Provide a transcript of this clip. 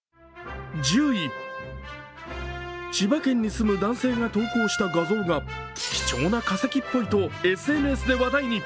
１０位、千葉県に住む男性が投稿した画像が貴重な化石っぽいとＳＮＳで話題に。